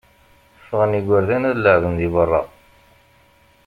Ffɣen igerdan ad leεben deg berra.